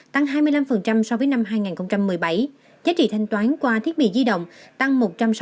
tăng hai mươi năm so với năm hai nghìn một mươi bảy giá trị thanh toán qua thiết bị di động tăng một trăm sáu mươi